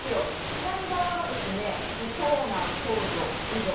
左側が長男、長女、二女。